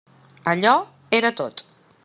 Allò era tot.